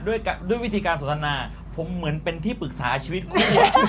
ด้วยวิธีการสนทนาผมเหมือนเป็นที่ปรึกษาชีวิตคู่